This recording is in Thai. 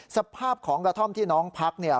สภาพของกระท่อมที่น้องพักเนี่ย